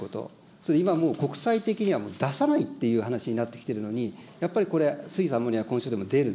それで今もう、国際的には出さないという話になってきてるのに、やっぱりこれ、水素、アンモニア、混焼でも出る。